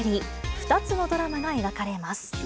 ２つのドラマが描かれます。